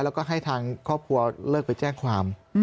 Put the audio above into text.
แล้วก็ให้ทางครอบครัวเลิกไปแจ้งความ